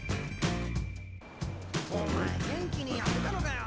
お前元気にやってたのかよ？